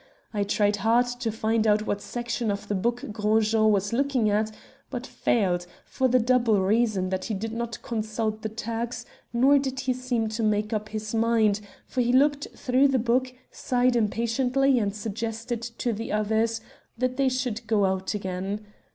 I tried hard to find out what section of the book Gros Jean was looking at, but failed, for the double reason that he did not consult the Turks, nor did he seem to make up his mind, for he looked through the book, sighed impatiently and suggested to the others that they should go out again.